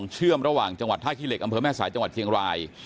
เชื่อมระหว่างจังหวัดท่าขี้เหล็กอำเภอแม่สายจังหวัดเชียงราย